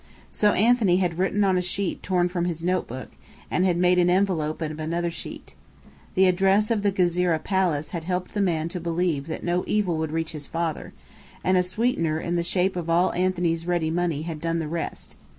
So Anthony had written on a sheet torn from his notebook, and made an envelope of another sheet. The address of the Ghezireh Palace had helped the man to believe that no evil would reach his father; and a "sweetener" in the shape of all Anthony's ready money had done the rest.